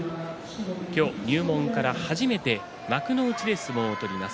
今日、入門から初めて幕内で相撲を取ります。